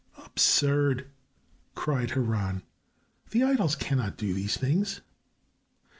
"Absurd!" cried Haran. "The idols cannot do these things."